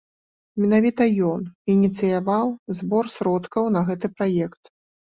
Менавіта ён ініцыяваў збор сродкаў на гэты праект.